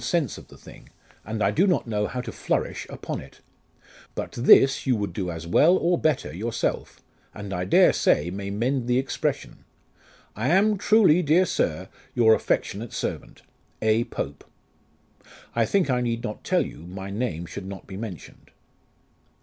85 sense of the thing, and I do not know how to flourish upon it : but this you would do as well, or better yourself, and I dare say may mend the expres sion. I am truly, dear Sir, your affectionate servant, " A. POPE. " I think I need not tell you my name should not be mentioned."